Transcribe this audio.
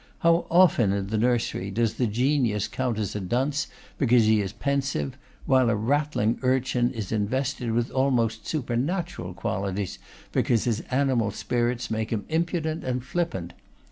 How often in the nursery does the genius count as a dunce because he is pensive; while a rattling urchin is invested with almost supernatural qualities because his animal spirits make him impudent and flippant!